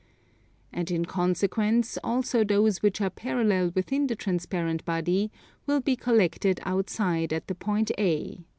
And in consequence also those which are parallel within the transparent body will be collected outside at the point A.